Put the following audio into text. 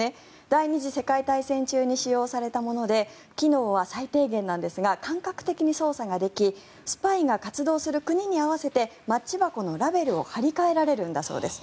第２次世界大戦中に使用されたもので機能は最低限なんですが感覚的に操作ができスパイが活動する国に合わせてマッチ箱のラベルを貼り替えられるんだそうです。